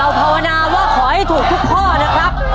เอาภาวนาว่าขอให้ถูกทุกข้อนะครับ